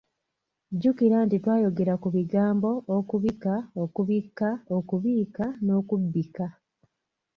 Jjukira nti twayogera ku bigambo, okubika, okubikka, okubiika n'okubbika.